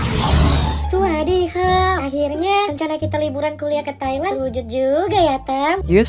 hai suadiho akhirnya rencana kita liburan kuliah ke thailand wujud juga ya tembio